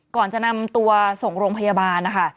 ก่อนจะนำตัวส่งโรงพยาบาลนะคะ